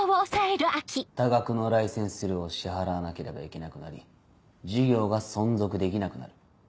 多額のライセンス料を支払わなければいけなくなり事業が存続できなくなる。